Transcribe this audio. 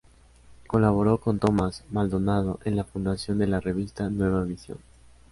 Colaboró con Tomás Maldonado en la fundación de la revista Nueva Visión.